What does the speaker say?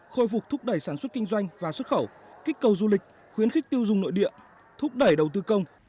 khôi phục thúc đẩy sản xuất kinh doanh và xuất khẩu kích cầu du lịch khuyến khích tiêu dùng nội địa thúc đẩy đầu tư công